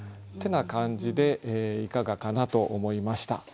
てな感じでいかがかなと思いました。